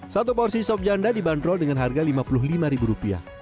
satu porsi sobjanda dibanderol dengan harga lima puluh lima rupiah